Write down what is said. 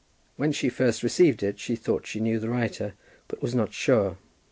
When she first received it she thought she knew the writer, but was not sure.